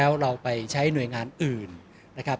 ก็ต้องทำอย่างที่บอกว่าช่องคุณวิชากำลังทำอยู่นั่นนะครับ